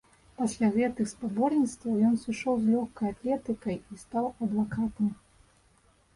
Пасля гэтых спаборніцтваў ён сышоў з лёгкай атлетыкай і стаў адвакатам.